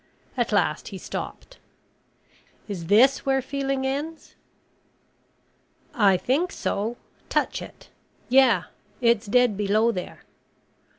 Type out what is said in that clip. At last he stopped. "Is this where feeling ends?" "I think so. Touch it. Yeah. It's dead below there."